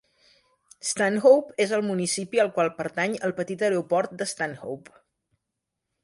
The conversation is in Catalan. Stanhope és el municipi al qual pertany el petit aeroport de Stanhope.